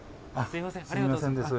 すいませんです。